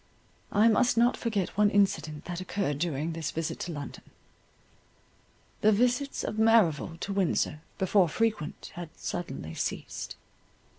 I must not forget one incident that occurred during this visit to London. The visits of Merrival to Windsor, before frequent, had suddenly ceased.